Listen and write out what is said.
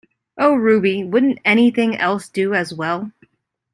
O Ruby, wouldn't any thing else do as well?